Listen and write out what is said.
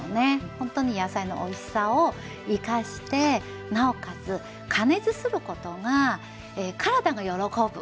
ほんとに野菜のおいしさを生かしてなおかつ加熱することが体が喜ぶ。